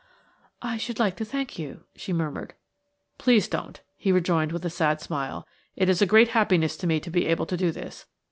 "I should like to thank you," she murmured. "Please don't," he rejoined with a sad smile. "It is a great happiness to me to be able to do this.